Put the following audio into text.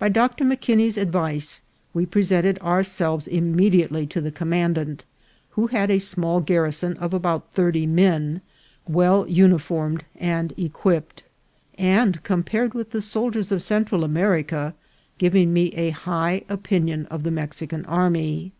By Dr. M'Kinney's advice we presented ourselves immediately to the commandant, who had a small gar rison of about thirty men, well uniformed and equipped, and, compared with the soldiers of Central America, giv ing me a high opinion of the Mexican army.